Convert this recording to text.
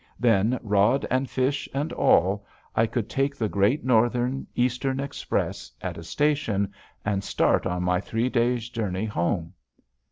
Then, rod and fish and all, I could take the Great Northern Eastern Express at a station and start on my three days' journey home.